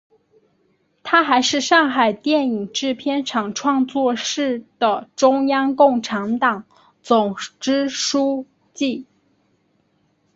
她还是上海电影制片厂创作室的中共党总支书记。